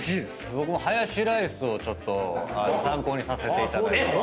僕もハヤシライスを参考にさせていただいた。